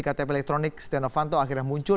ktp elektronik setia novanto akhirnya muncul